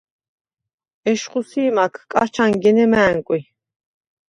ეშხუ სი̄მაქ კაჩ ანგენე მა̄̈ნკვი.